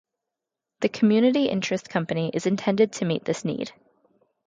The community interest company is intended to meet this need.